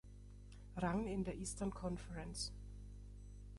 Rang in der Eastern Conference.